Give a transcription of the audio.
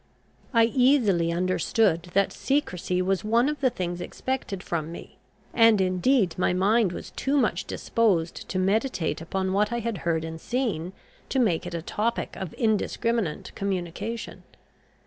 I easily understood that secrecy was one of the things expected from me; and, indeed, my mind was too much disposed to meditate upon what I had heard and seen, to make it a topic of indiscriminate communication.